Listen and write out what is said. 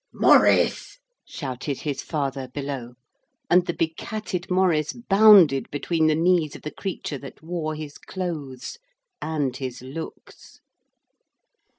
'Maurice!' shouted his father below, and the be catted Maurice bounded between the knees of the creature that wore his clothes and his looks.